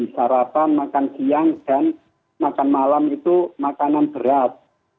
sarapan makan siang dan makan malam itu makanan berat